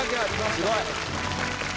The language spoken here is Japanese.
すごい。